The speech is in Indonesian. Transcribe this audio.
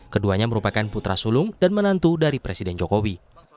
keduanya merupakan putra sulung dan menantu dari presiden jokowi